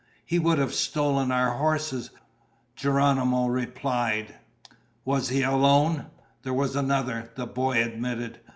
"He would have stolen our horses," Geronimo replied. "Was he alone?" "There was another," the boy admitted.